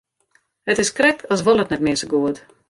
It is krekt as wol it net mear sa goed.